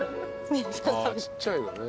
ちっちゃいのね。